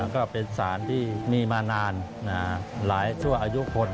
ก็เป็นสารที่มีมานานหลายชั่วอายุคน